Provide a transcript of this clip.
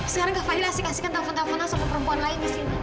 sekarang kak fadil asyik asyikan telfon telfonan sama perempuan lain di sini